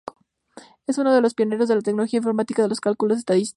Es uno de los pioneros de la tecnología informática en los cálculos estadísticos.